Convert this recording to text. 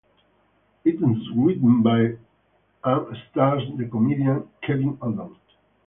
It is written by and stars the comedian Kevin Eldon.